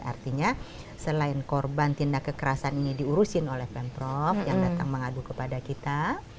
artinya selain korban tindak kekerasan ini diurusin oleh pemprov yang datang mengadu kepada kita